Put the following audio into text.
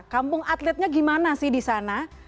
kampung atletnya gimana sih di sana